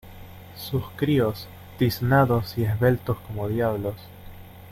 sus críos, tiznados y esbeltos como diablos